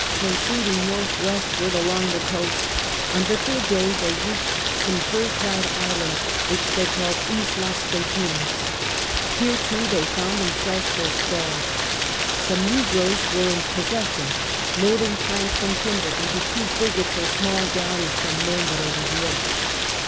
Proceeding north westward along the coast, on the third day they reached some fir clad islands, which they called Islas de Pinos. Here, too, they found themselves forestalled. Some negroes were in possession, loading planks and timber into two frigates or small galleys from Nombre de Dios.